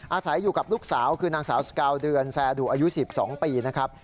อาศัยอยู่กับลูกสาวคือนางสาวสกาวเดือนแซดุอายุ๑๒ปีนะครับ